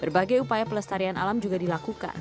berbagai upaya pelestarian alam juga dilakukan